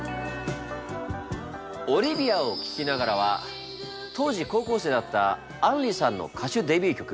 「オリビアを聴きながら」は当時高校生だった杏里さんの歌手デビュー曲。